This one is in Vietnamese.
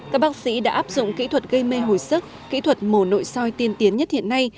các bác sĩ đã áp dụng kỹ thuật gây mê hồi sức kỹ thuật mổ nội soi tiên tiến nhất hiện nay